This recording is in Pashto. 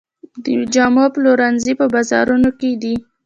د جامو پلورنځي په بازارونو کې دي